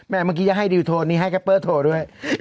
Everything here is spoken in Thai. แม่งเมื่อกี้ยังให้ดิวโทนนี่ให้เก็บเปอร์โทดด้วย